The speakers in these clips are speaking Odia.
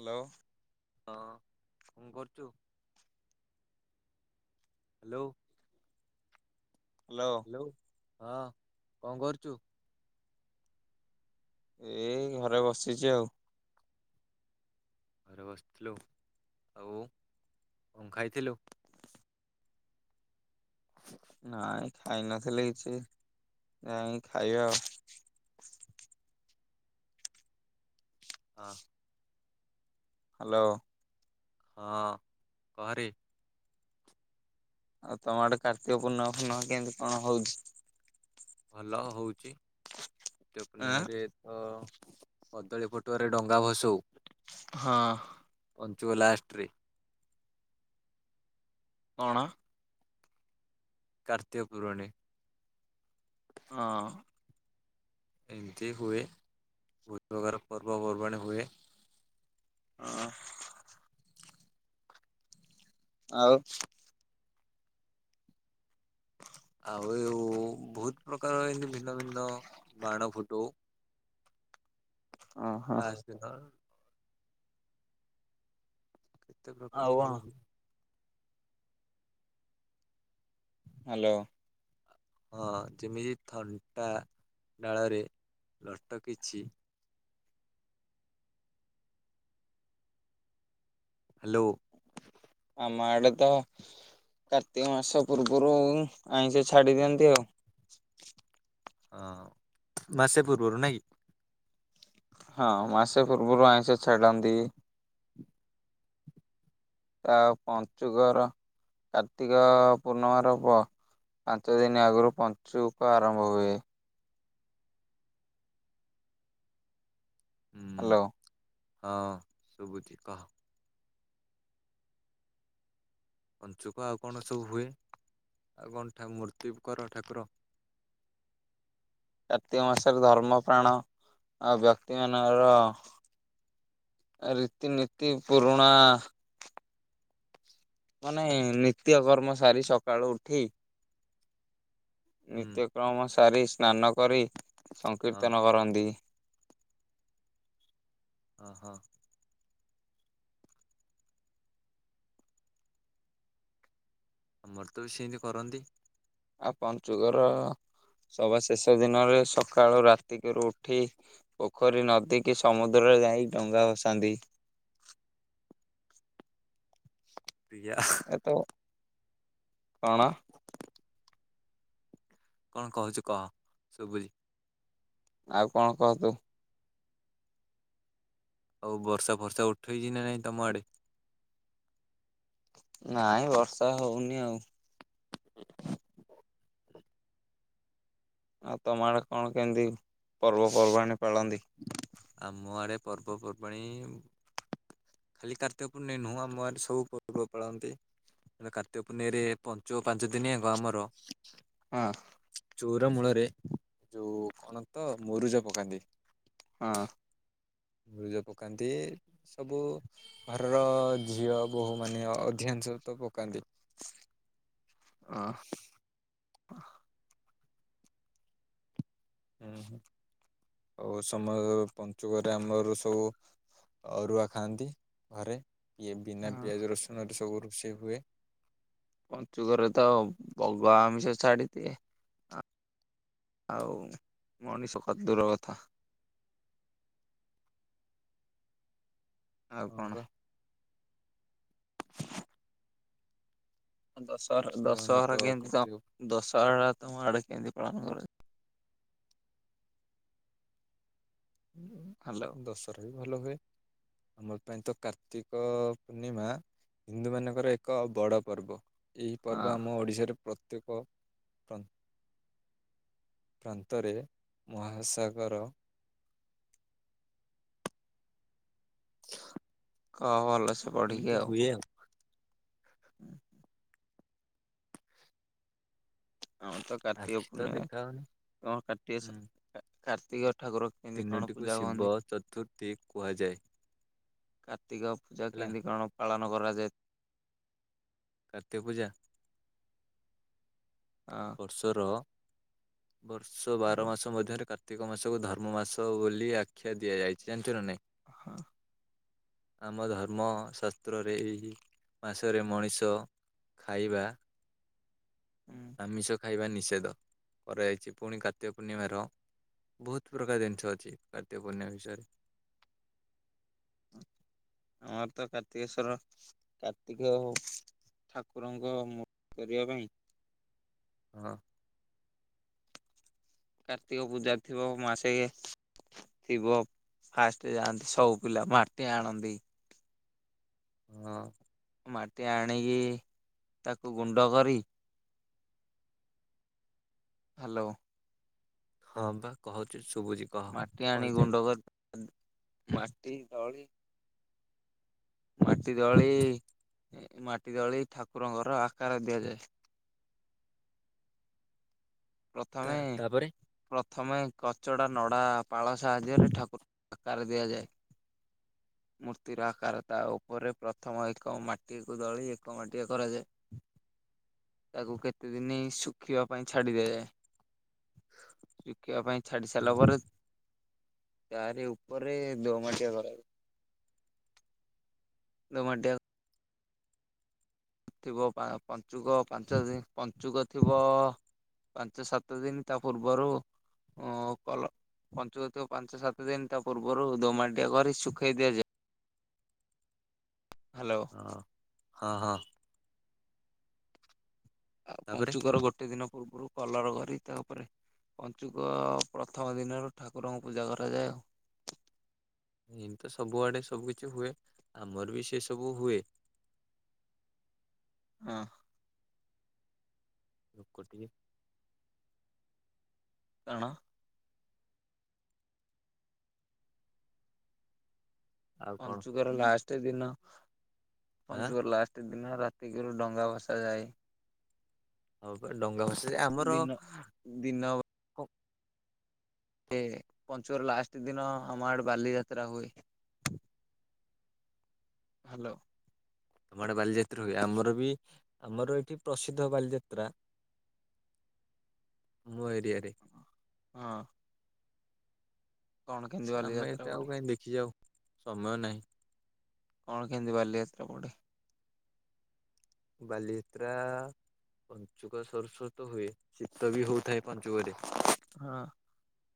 ହାଲୋ। ହଁ। କଣ କରୁଚୁ? ହାଲୋ। ହାଲୋ। ହାଲୋ। ହଁ କଣ କରୁଚୁ? ଏ ଏଇ ଘରେ ବସିଚି ଆଉ। ଘରେ ବସିଥିଲୁ। ଆଉ କଣ ଖାଇଥିଲୁ? ହ ନାଇଁ ଖାଇ ନଥିଲେ କିଛି। ଯାଇଁକି ଖାଇବା ଆଉ। ହଁ। ହାଲୋ। ହଁ କହରେ। ଆଉ ତମ ଗୋଟେ କାର୍ତ୍ତିକ ପୂର୍ଣ୍ଣିମା ଫୁର୍ଣ୍ଣମା କେମିତି କଣ ହଉଚି? ଭଲ ହଉଚି। କାର୍ତ୍ତିକ ଆଁ ପୂର୍ଣ୍ଣିମା ରେ ତ କଦଳୀ ଫଟୁଆରେ ଡଙ୍ଗା ଭସଉ। ହଁ। ପଞ୍ଚୁକ ଲାଷ୍ଟ୍ ରେ। କଣ? କାର୍ତ୍ତିକ ପୁରଣେ। ହଁ। ଏମତି ହୁଏ। ବହୁତ୍ ପ୍ରକାର ପର୍ବପର୍ବାଣି ହୁଏ। ଅଁ। ଆଉ ଆଉ ବହୁତ୍ ପ୍ରକାର ଏମତି ଭିନ୍ନ ଭିନ୍ନ ବାଣ ଫୁଟଉ। ଓହୋ ଲାଷ୍ଟ ଦିନ। ଏତେ ପ୍ରକାର। ଆଉ କଣ? [unintelligible] ହାଲୋ। ହଁ ଯେମିତି ଥଣ୍ଟା ଡାଳରେ ଲଟକିଚି ହାଲୋ। ଆମ ଆଡେ ତ କାର୍ତ୍ତିକ ମାସ ପୂର୍ବରୁ ଆଇଁଷ ଛାଡି ଦିଅନ୍ତି ଆଉ ହଁ ମାସେ ପୂର୍ବରୁ ନାଇଁ କି? ହଁ ମାସେ ପୂର୍ବରୁ ଆଇଁଷ ଛାଡ଼ନ୍ତି। ଆ ପଞ୍ଚୁକର କାର୍ତ୍ତିକ ପୂର୍ଣ୍ଣମାର ପ ପାଞ୍ଚ ଦିନ ଆଗରୁ ପଞ୍ଚୁକ ଆରମ୍ଭ ହୁଏ। ହୁଁ। ହ୍ୟାଲୋ। ହଁ ଶୁଭୁଛି କହ। ପଞ୍ଚୁକ ଆଉ କଣ ସବୁ ହୁଏ ଆଉ କଣ ଠା ମୂର୍ତ୍ତି କର ଠାକୁର? କାର୍ତ୍ତିକ ମାସରେ ଧର୍ମ ପ୍ରାଣ ଆଉ ବ୍ୟକ୍ତି ମାନଙ୍କର ରୀତିନୀତି ପୁରୁଣା ମାନେ ନିତ୍ୟକର୍ମ ସାରି ସକାଳୁ ଉଠି ହୁଁ ନିତ୍ୟକ୍ରମ ସାରି ସ୍ନାନ କରି ହଁ ସଂକୀର୍ତ୍ତନ କରନ୍ତି। ଓହୋଃ। ଆମର ତ ବି ସେମିତି କରନ୍ତି। ଆଉ ପଞ୍ଚୁକର ସବା ଶେଷ ଦିନରେ ସକାଳୁ ରାତିକରୁ ଉଠି ପୋଖରୀ ନଦୀ କି ସମୁଦ୍ରରେ ଯାଇ ଡଙ୍ଗା ଭସାନ୍ତି। ପିଜା ଆହା ଏ ତ, କଣ? କଣ କହୁଛି କହ ଶୁଭୁଛି। ଆଉ କଣ କହ ତୁ। ଆଉ ବର୍ଷା ଫର୍ଷା ଉଠେଇଛି ନା ନାଇଁ ତମ ଆଡେ? ନାଇଁ ବର୍ଷା ହଉନି ଆଉ। ଆଉ ତମ ଆଡ଼େ କଣ କେମିତି ପର୍ବପର୍ବାଣି ପାଳନ୍ତି? ଆମ ଆଡେ ପର୍ବପର୍ବାଣି ଖାଲି କାର୍ତ୍ତିକ ପୂର୍ଣ୍ଣମୀ ନୁହଁ ଆମ ଆଡେ ସବୁ ପର୍ବ ପାଳନ୍ତି। ମାନେ କାର୍ତ୍ତିକ ପୁନେଇଁରେ ପଞ୍ଚୁକ ପାଞ୍ଚ ଦିନ ଯାଙ୍କ ଆମର ହଁ। ଚୋଉରା ମୂଳରେ ଯୋଉ କଣ ତ ମୁରୁଜ ପକାନ୍ତି। ହଁ। ମୁରୁଜ ପକାନ୍ତି ସବୁ ଘରର ଝିଅ ବୋହୂମାନେ ଅଧିକାଂଶ ତ ପକାନ୍ତି। ଆଁ। ହୁଁ-ହୁଁ ଆଉ ସମରକୁ ପଞ୍ଚୁକରେ ଆମର ସବୁ ଅରୁଆ ଖାଆନ୍ତି ଘରେ, ଏ ବିନା ହଁ ପିଆଜ ରସୁଣରେ ସବୁ ରୋଷେଇ ହୁଏ। ପଞ୍ଚୁକରେ ତ ବଗ ଆମିଷ ଛାଡିଦିଏ ଆଁ। ଆଉ ମଣିଷ କତ ଦୂର କଥା। ଆଉ ହଁ ପା କଣ? ଦଶହରା ଆଉ ଆମେ ତ ଦଶହରା କେମତି କାର୍ତ୍ତିକ ତମ଼ ଦଶହରା ତମ ଆଡେ କେମତି ପାଳନ କରା ହ୍ୟାଲୋ ଦଶହରା ବି ଭଲ ହୁଏ। ଆମ ପାଇଁ ତ କାର୍ତ୍ତିକ ପୂର୍ଣ୍ଣିମା ହିନ୍ଦୁମାନଙ୍କର ଏକ ବଡ଼ ପର୍ବ, ଏହି ପର୍ବ ହଁ ଆମ ଓଡ଼ିଶାରେ ପ୍ରତ୍ୟେକ ପ୍ରନ୍ ପ୍ରାନ୍ତରେ ମହାସାଗର [unintelligible] କଣ ଭଲ ସ ଏମିତି ହୁଏ ଆଉ। ହୁଁ ହୁଁ। ଆମ ତ କାର୍ତ୍ତିକ ଆଖି ତ ପୂର୍ଣ୍ଣିମା, ଦେଖାଯାଉନି ହଁ ହୁଁ। କାର୍ତ୍ତିକସ କାର୍ତିକ ଠାକୁର କେମିତି କଣ ତିନୋଟିକୁ ପୂଜା ହୁଅନ୍ତି? ଶିବ ଚତୁର୍ଥୀ କୁହାଯାଏ। କାର୍ତ୍ତିକ ପୂଜା ହେଲା କେମିତି କଣ ପାଳନ କରାଯାଏ? କାର୍ତ୍ତିକ ପୂଜା? ହଁ। ବର୍ଷର, ବର୍ଷ ହଁ ବାର ମାସ ମଧ୍ୟରେ କାର କାର୍ତ୍ତିକ ମାସକୁ ଧର୍ମ ମାସ ବୋଲି ଆଖ୍ୟା ଦିଆଯାଇଚି, ଜାଣିଚୁ ନା ନାଇଁ? ହଁ। ଆମ ଧର୍ମଶାସ୍ତ୍ରରେ, ଏହି ମାସରେ ମଣିଷ ଖାଇବା ହୁଁ ଆମିଷ ଖାଇବା ନିଷେଧ କରାଯାଇଚି, ପୁଣି କାର୍ତିକ ପୂର୍ଣ୍ଣିମାର ବହୁତ ପ୍ରକାର ଜିନିଷ ଅଛି, କାର୍ତ୍ତିକ ପୂର୍ଣ୍ଣିମା ବିଷୟରେ ଆମର ତ କାର୍ତ୍ତିକେଶ୍ଵର କାର୍ତ୍ତିକ ଠାକୁରଙ୍କ ମୂର୍ତ୍ କରିବା ପାଇଁ ହଁ। କାର୍ତ୍ତିକ ପୂଜା ଥିବ ମାସେ ଥିବ, ଫାଷ୍ଟ ଯାଆନ୍ତି ସବୁ ପିଲା, ମାଟି ଆଣନ୍ତି। ହଁଅଁ। ମାଟି ଆଣିକି, ତାକୁ ଗୁଣ୍ଡ କରି ହାଲୋ ହଁ ପା କହୁଚି, ଶୁଭୁଚି। ମାଟି ଆଣି ଗୁଣ୍ଡ କରି, ମାଟି ଦଳି ମାଟି ଦଳି, ମାଟି ଦଳି ଠାକୁରଙ୍କର ଆକାର ଦିଆଯାଏ। ତା ପ୍ରଥମେ ତାପରେ ପ୍ରଥମେ କଚଡ଼ା ନଡ଼ା ପାଳ ସାହାଯ୍ୟରେ ଠାକୁର ଆକାର ଦିଆଯାଏ। [inaudible] ମୂର୍ତ୍ତିର ଆକାର, ତା ଉପରେ ପ୍ରଥମ ଏକ ମାଟିକୁ ଦଳି ଏକ ମାଟିଆ କରାଯାଏ। [inaudible] ତାକୁ କେତେ ଦିନି ଶୁଖିବା ପାଇଁ ଛାଡି ଦେବେ। ଶୁଖିବା ପାଇଁ ଛାଡି ସାରିଲା ହଁ ପରେ, ତାରି ଉପରେ ଦୋ ମାଟିଆ କରାଯାଏ। ଦୋମାଟିଆ ଥିବ, ପଞ୍ଚୁକ ପାଞ୍ଚ ଦିନ, ପଞ୍ଚୁକ ଥିବ ପାଞ୍ଚ ସାତ ଦିନି ତା ପୂର୍ବରୁ ଓ କଲ, ପଂଛୁକ ଥିବ ପାଞ୍ଚ ସାତ ଦିନି ତା ପୂର୍ବରୁ, ଦୋ ମାଟିଆ କରି ଶୁଖେଇ ଦିଆଯାଏ। ହାଲୋ। ହଁ ହଁ ହଁ। ଆଉ ତାପରେ ପଞ୍ଚୁକର ଗୋଟେ ଦିନ ପୂର୍ବରୁ କଲର କରି ତାପରେ ପଞ୍ଚୁକ ପ୍ରଥମ ଦିନରୁ, ଠାକୁରଙ୍କୁ ପୂଜା କରାଯାଏ ଆଉ। ଏମତି ତ ସବୁଆଡେ ସବୁ କିିଛି ହୁଏ, ଆମ ଆଡେ ବି ସେ ସବୁ ହୁଏ। ହଁ। ଲୋକ ଟିକେ କାରଣ। ଆଉ କଣ ପଞ୍ଚୁକର ଲାଷ୍ଟ ଦିନ ଆଁ ପଞ୍ଚୁକର ଲାଷ୍ଟ ଦିନ ରା କିରୁ ଡଙ୍ଗା ଭସାଯାଏ। ହଁ ପା ଡଙ୍ଗା ଭଷାଯାଏ ଆମର। ଦିନ ଦିନ କଣ ଏ ପଞ୍ଚୁକର ଲାଷ୍ଟ ଦିନ ଆମ ଆଡେ ବାଲିଯାତ୍ରା ହୁଏ। ହାଲୋ। ତମ ଆଡେ ବାଲିଯାତ୍ରା ହୁଏ। ଆମର ବି ଆମର ଏଠି ପ୍ରସିଦ୍ଧ ବାଲିଯାତ୍ରା। ମୋ ଏରିଆରେ। ହଁ। କଣ କେମିତି ଆମେ ବାଲିଯାତ୍ରା ଏତେ ଆଉ ପଡେ କାହିଁ ଦେଖିଯାଉ ସମୟ ନାହିଁ। କଣ କେମିତି ବାଲିଯାତ୍ରା ପଡେ? ବାଲିିଯାତ୍ରା। ପଞ୍ଚୁକ ସରୁ ସରୁ ତ ହୁଏ ଶୀତ ବି ହଉଥାଏ ପଞ୍ଚୁକରେ। ହଁ।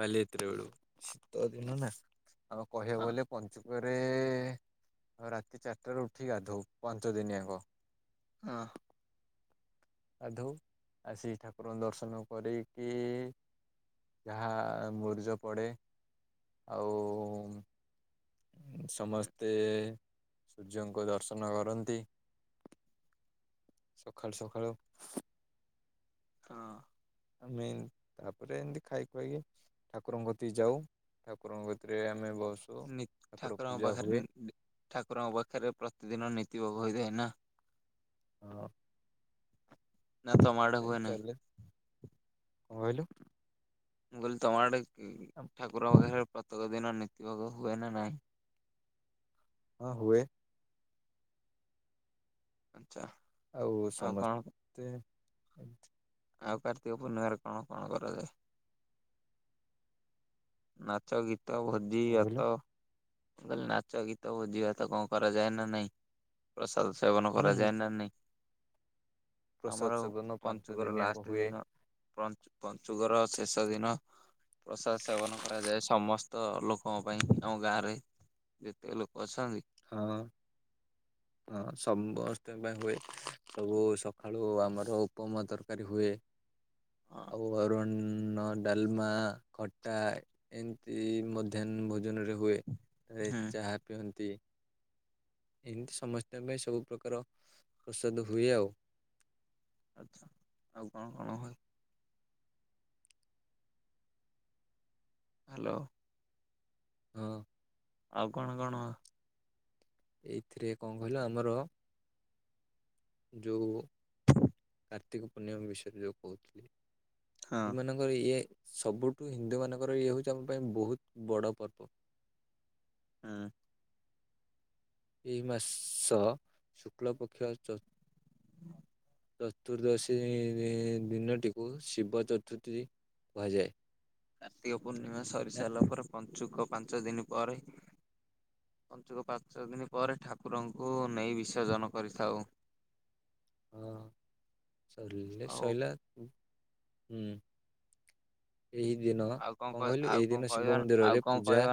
ବାଲିଯାତ୍ରା ବେଳକୁ ଶୀତ ଦିନ ନା ଆଉ କହିବାକୁ ହଁ ଗଲେ। ପଞ୍ଚୁକରେ ରାତି ଚାରିଟାରୁ ଉଠି ଗାଧଉ ପାଞ୍ଚ ଦିନିଆଙ୍କ। ହଁ। ଗାଧଉ ଆସିିକି ଠାକୁରଙ୍କ ଦର୍ଶନ କରିକି। ଯାହା ମୁରୁଜ ପଡ଼େ ଆଉଁ। ଉଁ ସମସ୍ତେ ସୂର୍ଯ୍ୟଙ୍କ ଦର୍ଶନ କରନ୍ତି। ସକାଳୁ ସକାଳୁ। ହଁ। ଆମେ ତାପରେ ଏମିତି ଖାଇ ଖୁଆଇକି। ଠାକୁରଙ୍କ କତିକି ଯାଉ ଠାକୁରଙ୍କ କତିରେ ଆମେ ବସ୍ ନି ଠାକୁରଙ୍କ ପାଖରେ [unintelligible] ଠାକୁରଙ୍କ ପାଖରେ ପ୍ରତିଦିନ ନୀତି ଭୋଗ ହୋଇଥାଏ ନା। ହଁ। ନା ତମ ଆଡେ ହୁଏ ନାହିଁ [unintelligible] ଚାଲେ କଣ କହିଲୁ? ମୁଁ କହିଲି। ତମ ଆଡେ ଉଁ ଠାକୁରଙ୍କ ପାଖରେ ପ୍ରତ୍ୟେକ ଦିନ ନୀତିଭୋଗ ହୁଏ ନା ନାଇଁ? ହଁ ହୁଏ। ଆଚ୍ଛା। ଆଉ ସମସ୍ତେ ଏମ ଆଉ କାର୍ତ୍ତିକ ପୂର୍ଣ୍ଣିମାରେ କଣ କଣ କରାଯାଏ? ନାଚ, ଗୀତ, ଭୋଜି, କହିଲୁ ଭାତ। ମୁଁ କହିଲି ନାଚ, ଗୀତ, ଭୋଜି, ଭାତ କଣ କରାଯାଏ ନା ନାଇଁ? ପ୍ରସାଦ ସେବନ ହୁଁ ହୁଁ କରାଯାଏ ନା ନାଇଁ? ପ୍ରସାଦ ଆମର ସେବନ ପାଞ୍ଚ ପଞ୍ଚୁକର ଦିନିଆଙ୍କ ଲାଷ୍ଟ ହୁଏ ଦିନ। ପଞ୍ଚୁ ପଞ୍ଚୁକର ଶେଷ ଦିନ ପ୍ରସାଦ ସେବନ। କରାଯାଏ ସମସ୍ତ ଲୋକଙ୍କ ପାଇଁ ଆମ ଗାଁରେ ଯେତେ ଲୋକ ଅଛନ୍ତି। ହଁ ହଁ ସମସ୍ତଙ୍କ ପାଇଁ ହୁଏ। ସବୁ ସକାଳୁ ଆମର ଉପମା, ତରକାରି ହୁଏ। ହଁ ଆଉ ଅରନନ ଡାଲମା, ଖଟା ଏମିତି ମଧ୍ୟାହ୍ନ ଭୋଜନରେ ହୁଏ। ରେ ହୁଁ ଚାହା ପିଅନ୍ତି। ଏମିତି ସମସ୍ତଙ୍କ ପାଇଁ ସବୁ ପ୍ରକାର ପ୍ରସାଦ ହୁଏ ଆଉ। ଆଚ୍ଛା। ଆଉ କଣ କଣ ହୁଏ? ହାଲୋ। ହଁ। ଆଉ କଣ କଣ? ଏଇଥିରେ କଣ କହିଲ ଆମର ଯଉ କାର୍ତ୍ତିକ ପୂର୍ଣ୍ଣିମା ବିଷୟରେ ଯଉ କହୁଥିଲି, ହୁଁ। ଯଉ ମାନଙ୍କ ଇଏ ସବୁଠୁ ହିନ୍ଦୁ ମାନଙ୍କର ଇଏ ହଉଚି ଆମ ପାଇଁ ବହୁତ୍ ବଡ଼ ପର୍ବ। ହଁ। ଏଇ ମାସ ଶୁକ୍ଳପକ୍ଷ ଚ ଚତୁର୍ଦ୍ଦଶୀ ଦିନଟିକୁ ଶିବ ଚତୁର୍ଥୀ କୁହାଯାଏ। କାର୍ତ୍ତିକ ପୂର୍ଣ୍ଣିମା ସରି ଆଁ, ସାରିଲା ପରେ ପଞ୍ଚୁକ ପାଞ୍ଚ ଦିନ ପରେ ପଞ୍ଚୁକ ପାଞ୍ଚ ଦିନି ପରେ ଠାକୁରଙ୍କୁ ନେଇ ବିସର୍ଜନ କରିଥାଉ। [unintelligible] ହଁ। ସରିଲେ ଆଉ ସଇଲା। ହୁଁ। ଏହି ଦିନ ଆଉ କଣ କହିଲୁ ଆଉ ଏହି କଣ ଦିନ କହିବା ଶିବ ଆଉ ମନ୍ଦିରରେ କଣ ପୂଜା କହିବା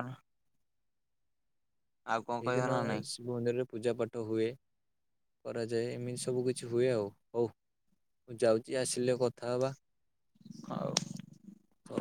ଆଉ କଣ କହିବା ଏହିଦିନ ନା ନାଇଁ ଶିବ ମନ୍ଦିରରେ ପୂଜାପାଠ ହୁଏ। କରାଯାଏ ଏମିତି ସବୁ କିଛି ହୁଏ ଆଉ। ହଉ ମୁଁ ଯାଉଚି ଆସିଲେ କଥା ହବା। ହଉ। ହଉ।